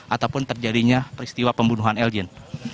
ataupun terjadinya peristiwa pembunuhan elgin